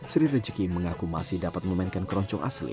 sri rejeki mengaku masih dapat memainkan keroncong asli